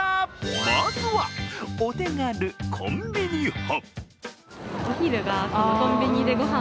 まずは、お手軽、コンビニ派。